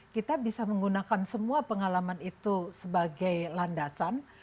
kita bisa menggunakan semua pengalaman itu sebagai landasan